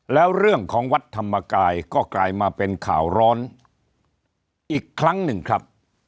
แล้วเรื่องของวัดธรรมกายก็กลายมาเป็นข่าวร้อนอีกครั้งหนึ่งครับ